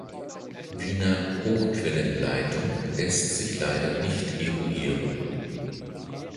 Wiener Hochquellenleitung lässt sich leider nicht eruieren.